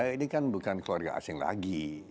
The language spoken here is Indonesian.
ini kan bukan keluarga asing lagi